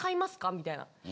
みたいな。